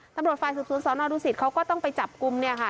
ตำรวจฝ่ายสืบสวนสอนอดูสิตเขาก็ต้องไปจับกลุ่มเนี่ยค่ะ